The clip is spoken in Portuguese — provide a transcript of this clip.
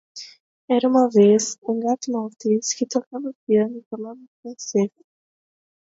Era uma vez, um gato maltês que tocava piano e falava francês.